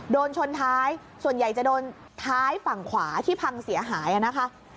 โดนชนท้ายส่วนใหญ่จะโดนท้ายฝั่งขวาที่พังเสียหายนะคะ